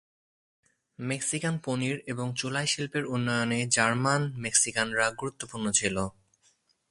Mexican পনির এবং চোলাই শিল্পের উন্নয়নে জার্মান মেক্সিকানরা গুরুত্বপূর্ণ ছিল।